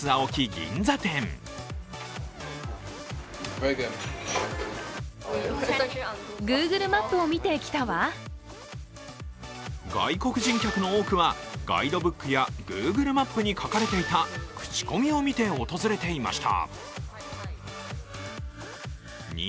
銀座店外国人客の多くはガイドブックやＧｏｏｇｌｅマップに書かれていた口コミを見て訪れていました。